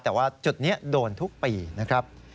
แต่ว่าจุดนี้โดนทุกปีนะครับ